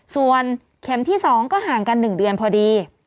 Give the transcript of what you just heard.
ส่วนเข็มที่๒ก็ห่างกัน๑เดือนพอดี